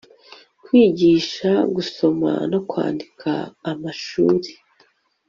kwigisha gusoma no kwandika amashuri